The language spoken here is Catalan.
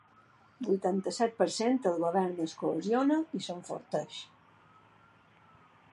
Vuitanta-set per cent El govern es cohesiona i s’enforteix.